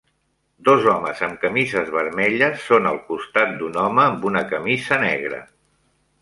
Dos homes amb camises vermelles són al costat d'un home amb una camisa negra.